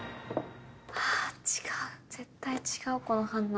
はぁ違う絶対違うこの反応。